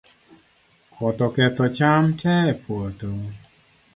Koth oketho cham tee e puotho